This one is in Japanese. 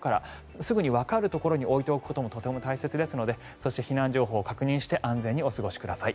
すぐにわかるところに置いておくこともとても大切なので避難情報を確認して安全にお過ごしください。